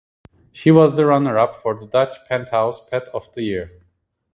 She was the runner-up for the Dutch "Penthouse" Pet of the Year.